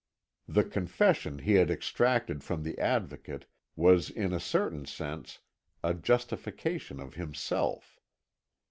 The confession he had extracted from the Advocate was in a certain sense a justification of himself.